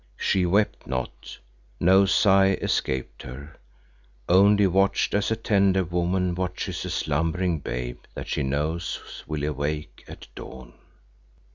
She wept not, no sigh escaped her; only watched as a tender woman watches a slumbering babe that she knows will awake at dawn.